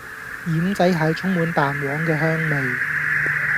奄仔蟹充滿蛋黃嘅香味